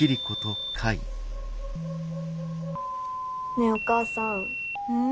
ねえお母さぁーん。